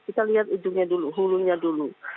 kita lihat ujungnya dulu hulunya dulu